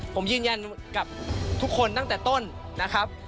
ผมยืนยันกับทุกคนตั้งแต่ต้นนะครับ